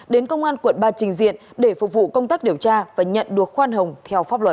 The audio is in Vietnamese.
đến công an quận ba trình diện để phục vụ công tác điều tra và nhận được khoan hồng theo pháp luật